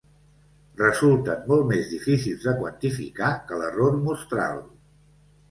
Resulten molt més difícils de quantificar que l'error mostral.